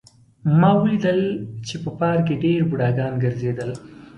ما ولیدل چې په پارک کې ډېر بوډاګان ګرځېدل